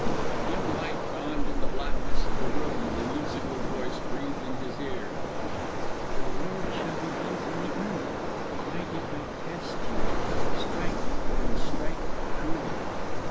A dim light dawned in the blackness of the room and the musical voice breathed in his ear: "Your reward shall be easily earned. I did but test you. Strike and strike truly!"